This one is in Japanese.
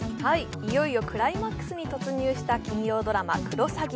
いよいよクライマックスに突入した金曜ドラマ「クロサギ」